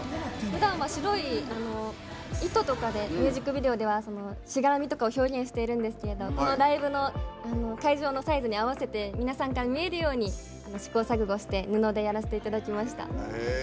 ふだん、白い糸とかでミュージックビデオではしがらみとか表現しているんですけどこのライブの会場のサイズに合わせて皆さんから見えるように試行錯誤して布でやらせていただきました。